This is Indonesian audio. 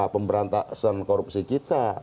pemberantasan korupsi kita